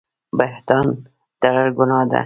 بهتان تړل ګناه ده